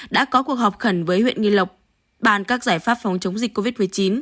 đã có cuộc họp khẩn với huyện nghi lộc bàn các giải pháp phòng chống dịch covid một mươi chín